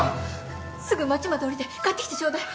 すぐ街まで下りて買ってきてちょうだい！